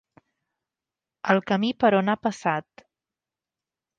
El camí per on han passat.